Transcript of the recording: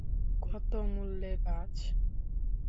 কত মূল্যে, বায?